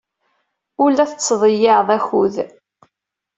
Ur la tettḍeyyiɛeḍ akud.